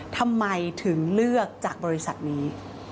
ทำไมถึงเลือกจากบริษัทนี้